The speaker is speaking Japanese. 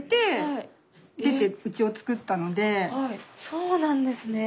そうなんですね。